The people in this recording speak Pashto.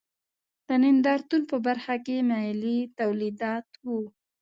د نندارتون په برخه کې محلي تولیدات و.